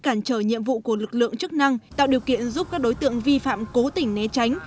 cản trở nhiệm vụ của lực lượng chức năng tạo điều kiện giúp các đối tượng vi phạm cố tỉnh né tránh